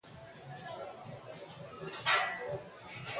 I just want you.